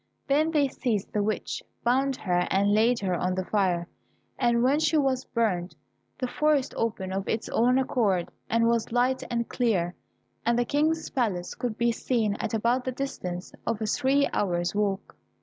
Then they seized the witch, bound her and laid her on the fire, and when she was burnt the forest opened of its own accord, and was light and clear, and the King's palace could be seen at about the distance of a three hours walk.